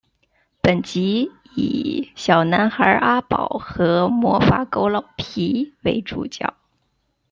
本集以小男孩阿宝和魔法狗老皮为主角。